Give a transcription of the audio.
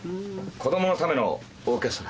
「子供のためのオーケストラ」